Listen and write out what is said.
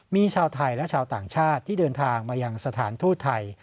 มีชาวไทยและชาวต่างชาติที่เดินทางมายังสถานทูตไทย